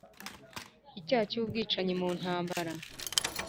icyaha cy'ubwicanyi mu ntambara